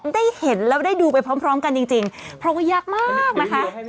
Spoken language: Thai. ได้เห็นแล้วได้ดูไปพร้อมกันจริงเพราะว่ายากมากนะคะ